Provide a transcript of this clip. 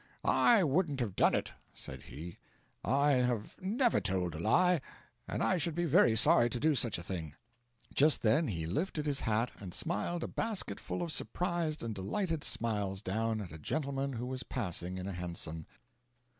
'I wouldn't have done it,' said he; 'I have never told a lie, and I should be very sorry to do such a thing.' Just then he lifted his hat and smiled a basketful of surprised and delighted smiles down at a gentleman who was passing in a hansom.